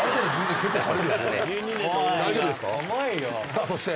さあそして。